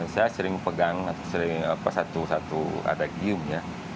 saya sering pegang satu satu adagiumnya